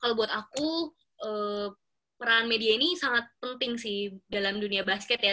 kalau buat aku peran media ini sangat penting sih dalam dunia basket ya